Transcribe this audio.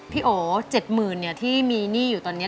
พี่โอ๊ะ๗๐๐๐๐บาทที่มีหนี้อยู่ตอนนี้